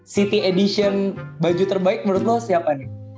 city edition baju terbaik menurut lo siapa nih